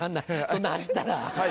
そんな走ったら。